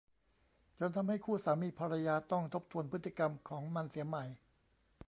จนทำให้คู่สามีภรรยาต้องทบทวนพฤติกรรมของมันเสียใหม่